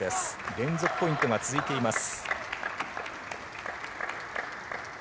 連続ポイントが続いています。